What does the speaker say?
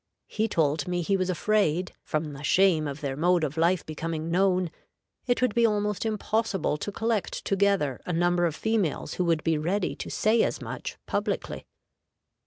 He told me he was afraid, from the shame of their mode of life becoming known, it would be almost impossible to collect together a number of females who would be ready to say as much publicly.